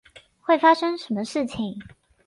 会发生什么事情？